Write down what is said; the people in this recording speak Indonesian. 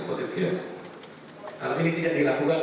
kalau ini tidak dilakukan